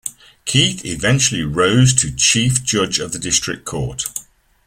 Keith eventually rose to Chief Judge of the District Court.